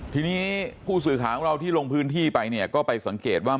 ทีนี้ผู้สื่อข่าวของเราที่ลงพื้นที่ไปเนี่ยก็ไปสังเกตว่า